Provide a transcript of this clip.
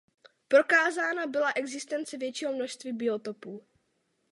Prokázána byla existence většího množství biotopů.